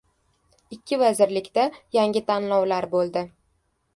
Ikki vazirlikda yangi tayinlovlar bo‘ldi